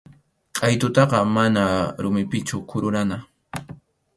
Qʼaytutaqa mana rumipichu kururana.